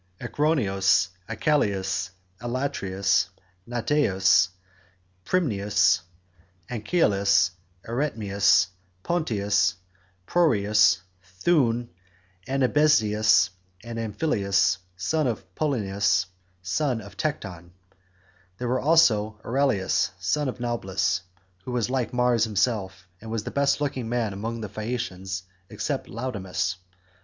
Acroneos, Ocyalus, Elatreus, Nauteus, Prymneus, Anchialus, Eretmeus, Ponteus, Proreus, Thoon, Anabesineus, and Amphialus son of Polyneus son of Tecton. There was also Euryalus son of Naubolus, who was like Mars himself, and was the best looking man among the Phaeacians except Laodamas.